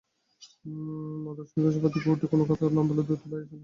Madhusudan sofa থেকে উঠে কোনো কথা না বলে দ্রুত বাইরে চলে গেল।